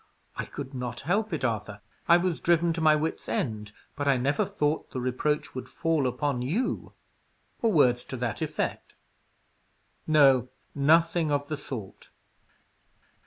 "I could not help it, Arthur; I was driven to my wit's end; but I never thought the reproach would fall upon you," or words to that effect. No: nothing of the sort.